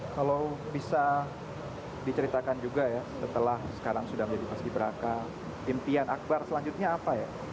kalau bisa diceritakan juga ya setelah sekarang sudah menjadi paski beraka impian akbar selanjutnya apa ya